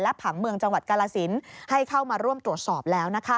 ผังเมืองจังหวัดกาลสินให้เข้ามาร่วมตรวจสอบแล้ว